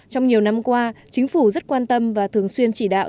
trong nhiều năm qua chính phủ rất quan tâm và thường xuyên chỉ đạo